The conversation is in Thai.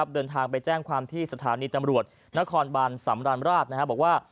เดินทางไปแจ้งความที่สถานีตำรวจนครบานสำราญราชบอกว่า